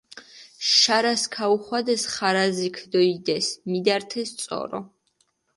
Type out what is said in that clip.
შარას ქაუხვადჷ ხარაზიქჷ დო იდეს, მიდართეს წორო.